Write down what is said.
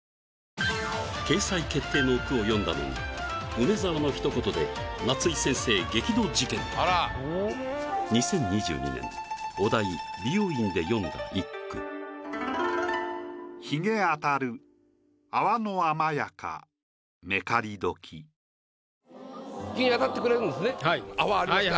掲載決定の句を詠んだのに梅沢のひと言で夏井先生激怒事件２０２２年お題「美容院」で詠んだ一句泡ありますね。